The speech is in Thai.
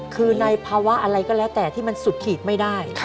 คือในภาวะอะไรก็แล้วแต่ที่มันสุดขีดไม่ได้